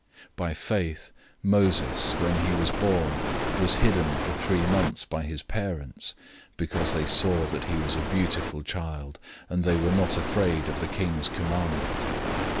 011:023 By faith, Moses, when he was born, was hidden for three months by his parents, because they saw that he was a beautiful child, and they were not afraid of the king's commandment.